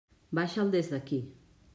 Baixa'l des d'aquí.